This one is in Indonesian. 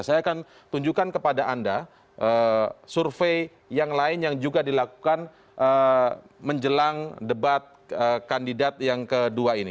saya akan tunjukkan kepada anda survei yang lain yang juga dilakukan menjelang debat kandidat yang kedua ini